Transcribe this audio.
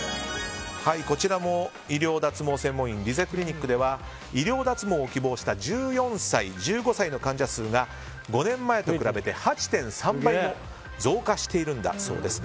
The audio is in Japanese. こちらも、医療脱毛専門院リゼクリニックでは医療脱毛を希望した１４歳、１５歳の患者が５年前と比べて８．３倍も増加しているんだそうです。